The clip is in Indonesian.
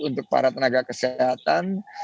untuk para tenaga kesehatan